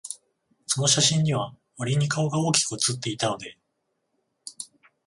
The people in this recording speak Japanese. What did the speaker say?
その写真には、わりに顔が大きく写っていたので、